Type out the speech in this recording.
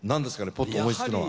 ぽっと思いつくのは。